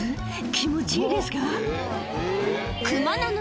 気持ちいいですか？」